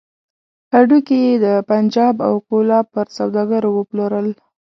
هډوکي يې د پنجاب او کولاب پر سوداګرو وپلورل.